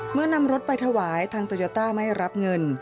นำรถไปถวายทางโตโยต้าไม่รับเงิน